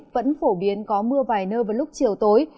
vẫn phổ biến có mưa vài nơi vào lúc chiều tối